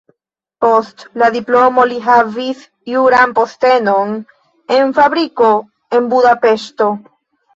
Post la diplomo li havis juran postenon en fabriko en Budapeŝto.